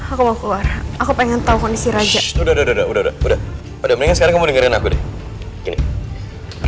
aku mau keluar aku pengen tahu kondisi raja udah udah udah udah udah udah udah udah